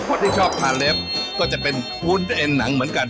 คนที่ชอบพาเล็บก็จะเป็นผู้เค็มหนังเหมือนกัน